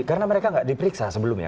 karena mereka tidak diperiksa sebelumnya